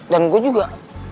dan gua juga